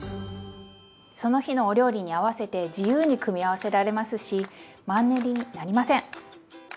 その日のお料理に合わせて自由に組み合わせられますしマンネリになりません！